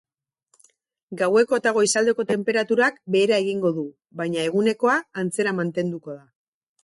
Gaueko eta goizaldeko tenperaturak behera egingo du baina egunekoa antzera mantenduko da.